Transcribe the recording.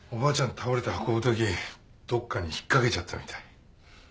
倒れて運ぶときどっかに引っ掛けちゃったみたい。